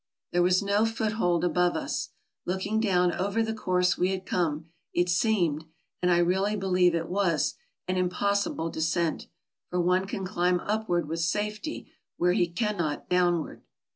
There was no foothold above us. Looking down over the course we had come, it seemed, and I really believe it was, an impossible descent, for one can climb upward with safety where he cannot downward.